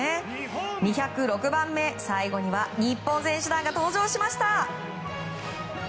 ２０６番目、最後には日本選手団が登場しました。